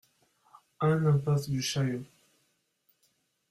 un impasse du Chaillot